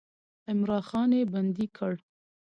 عمرا خان یې بندي کړ.